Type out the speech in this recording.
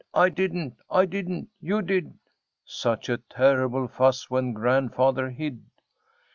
"I didn't! I didn't!" "You did!" Such a terrible fuss when Grandfather hid!